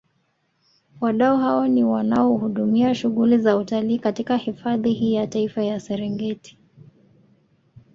Wadau hao ni wanaohudumia shughuli za utalii katika hifadhi hii ya Taifa ya Serengeti